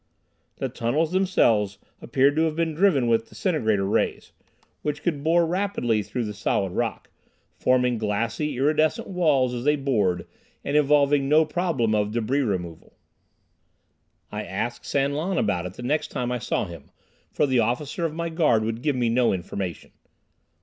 The tunnels themselves appeared to have been driven with disintegrator rays, which could bore rapidly through the solid rock, forming glassy iridescent walls as they bored, and involving no problem of debris removal. I asked San Lan about it the next time I saw him, for the officer of my guard would give me no information.